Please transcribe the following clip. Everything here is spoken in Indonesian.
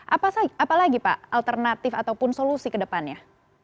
apalagi pak alternatif ataupun solusi kedepannya